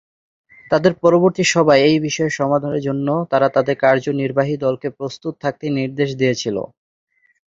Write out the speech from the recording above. তাদের পরবর্তী সভায় এই বিষয়ের সমাধানের জন্য তারা তাদের কার্যনির্বাহী দলকে প্রস্তুত থাকতে নির্দেশ দিয়েছিল।